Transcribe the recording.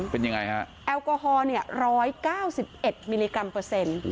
เป็นยังไงฮะแอลกอฮอล์เนี้ยร้อยเก้าสิบเอ็ดมิลลิกรัมเปอร์เซ็นต์